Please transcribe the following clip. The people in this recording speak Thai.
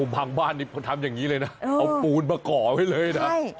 บางบ้านนี้พอทำอย่างนี้เลยนะเอาปูนมาก่อไว้เลยนะ